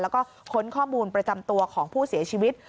แล้วก็ค้นข้อมูลประจำตัวของผู้เสียชีวิต